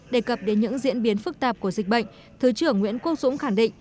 đề cập đến những diễn biến phức tạp của dịch bệnh thứ trưởng nguyễn quốc dũng khẳng định